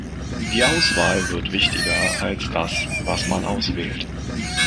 Die Auswahl wird wichtiger als das, was man auswählt.